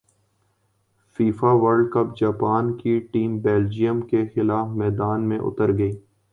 FIFA World Cup Japan کی team Belgium کیخلاف میدان میں اترے گی